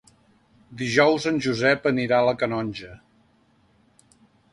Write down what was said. Dijous en Josep anirà a la Canonja.